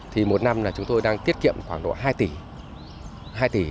thì một năm là chúng tôi đang tiết kiệm khoảng độ hai tỷ